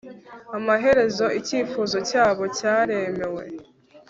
amaherezo icyifuzo cyabo cyaremewe